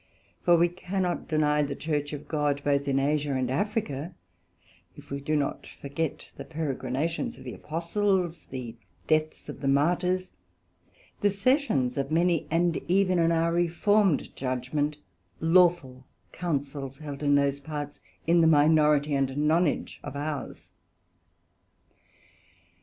For we cannot deny the Church of God both in Asia and Africa, if we do not forget the Peregrinations of the Apostles, the deaths of the Martyrs, the Sessions of many, and, even in our reformed judgement, lawful Councils, held in those parts in the minority and nonage of ours.